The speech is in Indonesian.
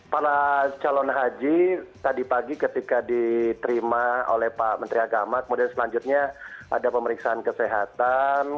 para calon haji tadi pagi ketika diterima oleh pak menteri agama kemudian selanjutnya ada pemeriksaan kesehatan